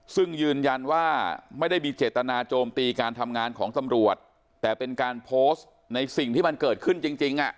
ซึ่งยืนยันว่าไม่ได้มีเจตนาโจมตีการทำงานของตำรวจแต่เป็นการโพสต์ในสิ่งที่มันเกิดขึ้นจริง